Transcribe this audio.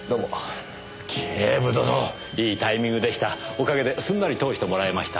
おかげですんなり通してもらえました。